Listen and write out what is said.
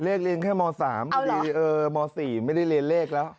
เรียนแค่ม๓พอดีม๔ไม่ได้เรียนเลขแล้ว